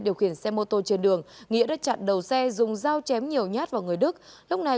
điều khiển xe mô tô trên đường nghĩa đã chặn đầu xe dùng dao chém nhiều nhát vào người đức lúc này